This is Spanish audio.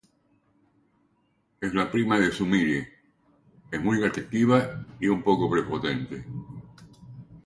Es la prima de Sumire, es muy atractiva y un poco prepotente.